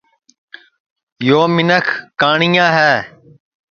یو منکھ کانٹُٹیا ہے